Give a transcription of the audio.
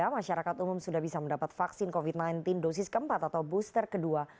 masyarakat umum sudah bisa mendapat vaksin covid sembilan belas dosis keempat atau booster kedua